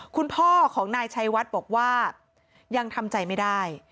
คุณพ่อของนายชัยวัดบอกว่ายังทำใจไม่ได้